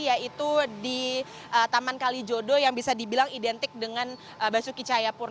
yaitu di taman kalijodo yang bisa dibilang identik dengan basuki cahayapurna